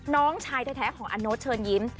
น้องชายแท้ของอโน๊ตเชิญยิ้ม